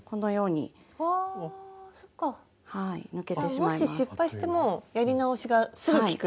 もし失敗してもやり直しがすぐきく？